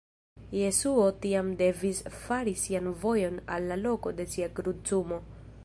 Jesuo tiam devis fari sian vojon al la loko de sia krucumo.